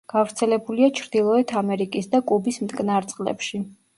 გავრცელებულია ჩრდილოეთ ამერიკის და კუბის მტკნარ წყლებში.